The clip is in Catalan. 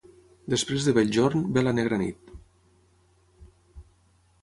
Després de bell jorn, ve la negra nit.